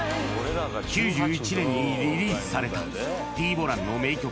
９１年にリリースされたＴ−ＢＯＬＡＮの名曲